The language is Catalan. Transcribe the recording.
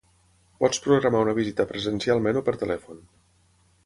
Pots programar una visita presencialment o per telèfon.